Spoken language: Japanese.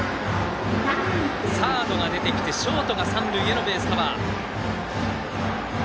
サードが出てきてショートが三塁へのベースカバー。